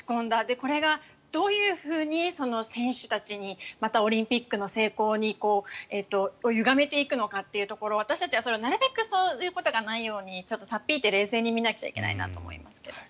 これがどういうふうに選手たちにまた、オリンピックの成功をゆがめていくのかというところを私たちはなるべくそういうことがないように差っ引いて、冷静に見なくちゃいけないと思いますけど。